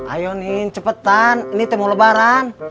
ayo nin cepetan ini temen lebaran